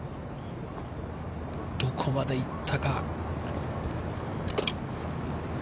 どこまで行ったか。